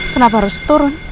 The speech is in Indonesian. kenapa harus turun